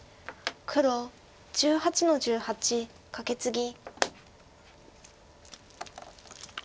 黒１８の十八カケツギ。